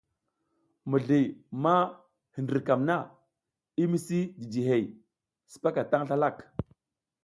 Mizli ma hindrikam na i misi jiji hey, sipaka tan slalak.